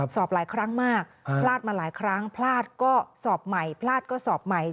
สอบหลายครั้งมากพลาดมาหลายครั้งพลาดก็สอบใหม่พลาดก็สอบใหม่